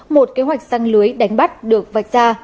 một kế hoạch săn lưới đánh bắt được vạch ra